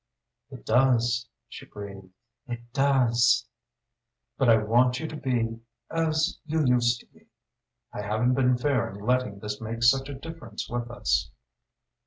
"It does," she breathed, "it does." "But I want you to be as you used to be! I haven't been fair in letting this make such a difference with us."